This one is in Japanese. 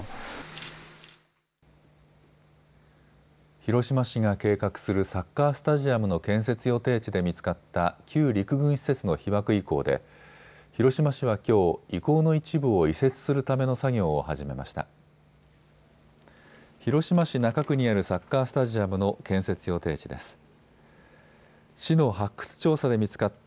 広島市が計画するサッカースタジアムの建設予定地で見つかった旧陸軍施設の被爆遺構で広島市はきょう、遺構の一部を移設するための作業を始めました。